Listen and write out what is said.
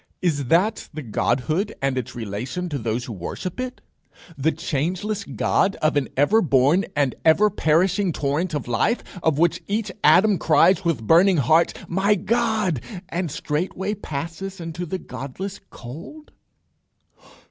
Is that the Godhood, and its relation to those who worship it? The changeless God of an ever born and ever perishing torrent of life; of which each atom cries with burning heart, My God! and straightway passes into the Godless cold!